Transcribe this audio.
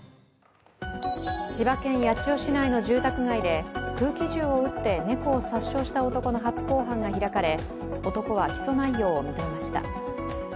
千葉県八千代市内の住宅街で空気銃を撃って猫を殺傷した男の初公判が開かれ男は起訴内容を認めました。